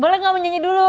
boleh nggak menyanyi dulu